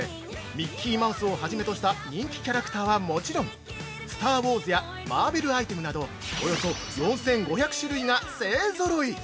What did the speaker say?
ミッキーマウスをはじめとした人気キャラクターはもちろん「スター・ウォーズ」やＭＡＲＶＥＬアイテムなど４５００種類が勢ぞろい！